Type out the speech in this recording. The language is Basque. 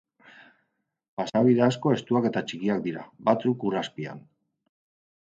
Pasabide asko estuak eta txikiak dira, batzuk ur azpian.